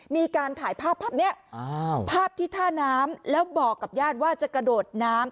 มีการถ่ายภาพภาพนี้ภาพที่ท่าน้ำแล้วบอกกับญาติว่าจะกระโดดน้ำ